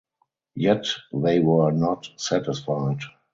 Yet they were not satisfied.